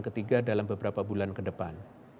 ketiga dalam beberapa bulan ke depan